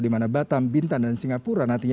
di mana batam bintan dan singapura nantinya